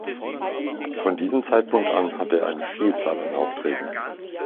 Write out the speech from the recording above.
Von diesem Zeitpunkt an hatte er eine Vielzahl an Aufträgen.